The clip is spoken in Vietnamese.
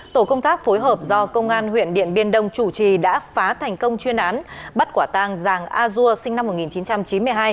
tổ công tác phối hợp do công an huyện điện biên đông chủ trì đã phá thành công chuyên án bắt quả tàng giàng a dua sinh năm một nghìn chín trăm chín mươi hai